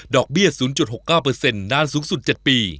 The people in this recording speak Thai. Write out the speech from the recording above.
เบี้ย๐๖๙นานสูงสุด๗ปี